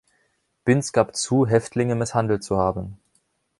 Binz gab zu, Häftlinge misshandelt zu haben.